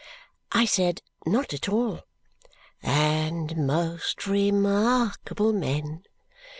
I said "Not at all!" "And most remarkable men!"